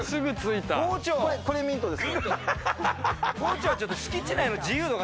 これミントです。